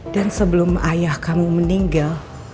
dan sebelum ayah kamu meninggal